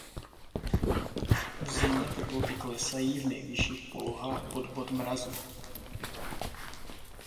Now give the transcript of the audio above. V zimě teploty klesají v nejvyšších polohách pod bod mrazu.